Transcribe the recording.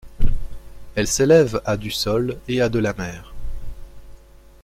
Elle s'élève à du sol et à de la mer.